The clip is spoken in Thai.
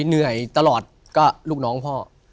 เหนื่อยตลอดก็ลูกน้องพ่อ